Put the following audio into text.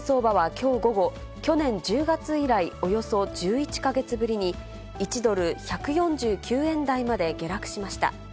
きょう午後、去年１０月以来、およそ１１か月ぶりに、１ドル１４９円台まで下落しました。